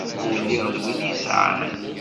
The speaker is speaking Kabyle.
Ur lliɣ d win yesɛan.